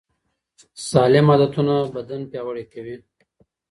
سالم عادتونه بدن پیاوړی کوي.